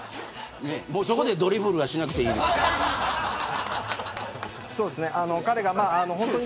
そこでドリブルはしなくていいです。